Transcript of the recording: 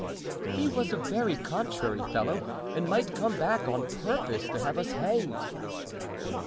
"He was a very contrary fellow and might come back on purpose to have us hanged."